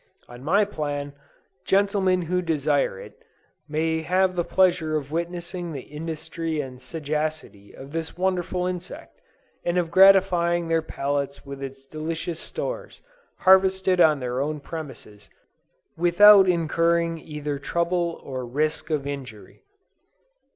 On my plan, gentlemen who desire it, may have the pleasure of witnessing the industry and sagacity of this wonderful insect, and of gratifying their palates with its delicious stores, harvested on their own premises, without incurring either trouble or risk of injury.